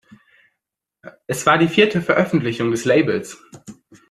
Es war die vierte Veröffentlichung des Labels.